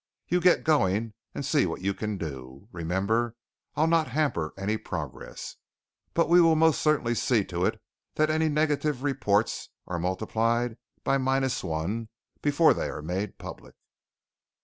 You get going and see what you can do. Remember, I'll not hamper any progress. But we will most certainly see to it that any negative reports are multiplied by Minus One before they are made public."